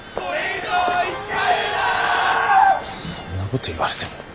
そんなこと言われても。